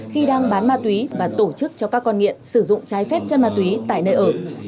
khi đang bán ma túy và tổ chức cho các con nghiện sử dụng trái phép chân ma túy tại nơi ở